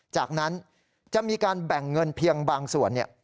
จากนั้นจะมีการแบ่งเงินเพียงบางส่วน